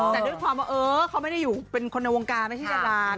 แต่ด้วยความว่าเออเขาไม่ได้อยู่เป็นคนในวงการไม่ใช่ดารา